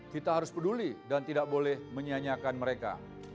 kita harus peduli dan tidak boleh menyianyiakan mereka